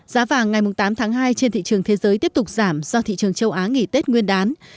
giá vàng ngày tám tháng hai trên thị trường thế giới tiếp tục giảm do thị trường châu á nghỉ tết nguyên đán